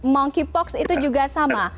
monkeypox itu juga sama